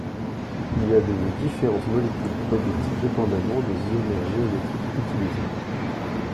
Il y a donc différentes molécules produites dépendamment des isomères géométriques utilisés.